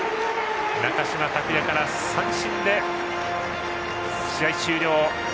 中島卓也から三振で試合終了。